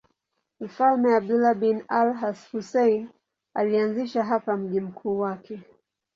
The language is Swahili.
Mfalme Abdullah bin al-Husayn alianzisha hapa mji mkuu wake.